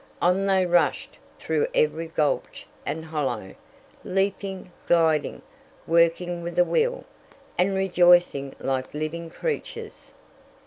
On they rushed through every gulch and hollow, leaping, gliding, working with a will, and rejoicing like living creatures.